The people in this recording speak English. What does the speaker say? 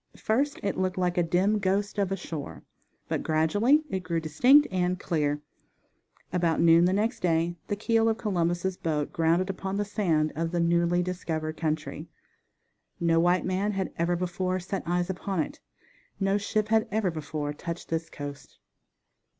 First it looked like a dim ghost of a shore, but gradually it grew distinct and clear. About noon the next day the keel of Columbus' boat grounded upon the sand of the newly discovered country. No white man had ever before set eyes upon it. No ship had ever before touched this coast.